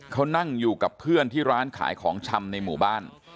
เขานั่งอยู่กับเพื่อนที่ร้านขายของชำในหมู่บ้าน